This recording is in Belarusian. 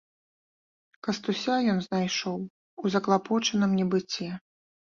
Кастуся ён знайшоў у заклапочаным небыце.